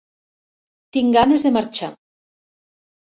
Tinc ganes de marxar.